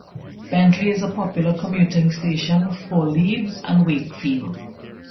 Bentley is a popular commuting station for Leeds and Wakefield.